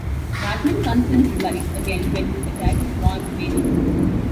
Batman confronts Blight again when he attacks Wayne Manor.